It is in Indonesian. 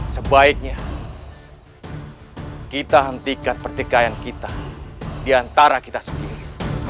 sebaiknya kita hentikan pertikaian kita diantara kita sendiri